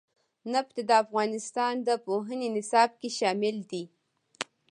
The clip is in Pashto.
نفت د افغانستان د پوهنې نصاب کې شامل دي.